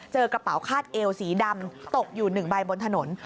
กระเป๋าคาดเอวสีดำตกอยู่๑ใบบนถนน